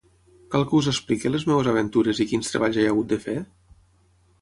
Cal que us explique les meues aventures i quins treballs he hagut de fer?